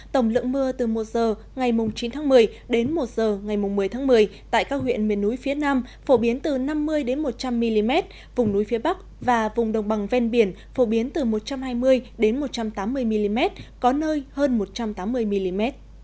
tổng lượng mưa từ một h ngày chín tháng một mươi đến một h ngày một mươi tháng một mươi tại các huyện miền núi phía nam phổ biến từ năm mươi một trăm linh mm vùng núi phía bắc và vùng đồng bằng ven biển phổ biến từ một trăm hai mươi một trăm tám mươi mm có nơi hơn một trăm tám mươi mm